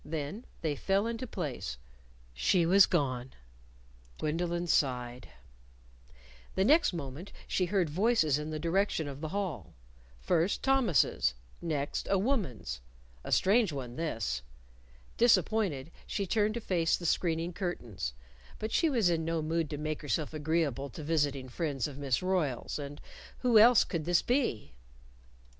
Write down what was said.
Then they fell into place. She was gone. Gwendolyn sighed. The next moment she heard voices in the direction of the hall first, Thomas's; next, a woman's a strange one this. Disappointed, she turned to face the screening curtains. But she was in no mood to make herself agreeable to visiting friends of Miss Royle's and who else could this be?